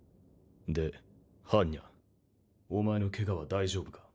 で般若お前のケガは大丈夫か？